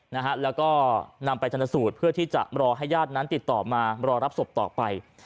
นะฮะแล้วก็นำไปชนสูตรเพื่อที่จะรอให้ญาตินั้นติดต่อมารอรับศพต่อไป